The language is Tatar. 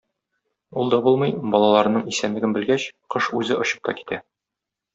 Ул да булмый, балаларының исәнлеген белгәч, кош үзе очып та китә.